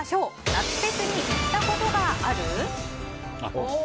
夏フェスに行ったことがある？